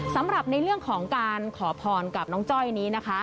สำหรับในเรื่องของการขอพรกับน้องจ้อยนี้นะคะ